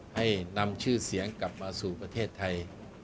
ให้นำชื่อเสียงกลับมาสู่ประเทศไทย